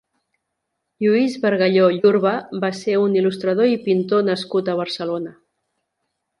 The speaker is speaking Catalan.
Lluís Bargalló Llurba va ser un il·lustrador i pintor nascut a Barcelona.